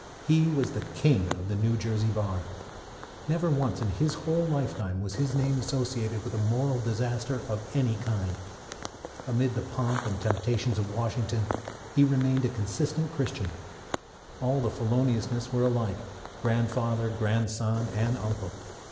He was the king of the New Jersey bar. Never once in his whole lifetime was his name associated with a moral disaster of any kind. Amid the pomp and temptations of Washington he remained a consistent Christian. All the Feloniousness were alike grandfather, grandson, and uncle.